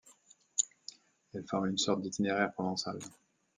Elle forme une sorte d'itinéraire provençal.